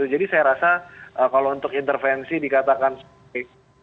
jadi saya rasa kalau untuk intervensi dikatakan seperti ini